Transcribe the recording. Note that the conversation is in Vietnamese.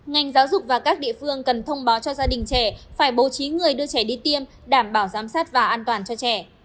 ngành giáo dục và các địa phương cần thông báo cho gia đình trẻ phải bố trí người đưa trẻ đi tiêm đảm bảo giám sát và an toàn cho trẻ